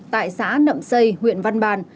tại xã nậm xây huyện văn bàn